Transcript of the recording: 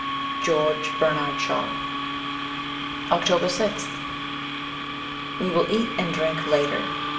' George Bernard Shatv.' 3i3t OCTOBER 6th WE will eat and drink later.